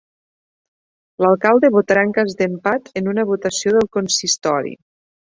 L'alcalde votarà en cas d'empat en una votació del consistori.